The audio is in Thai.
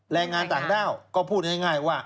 แรงงานต่างด้าวก็พูดง่ายว่า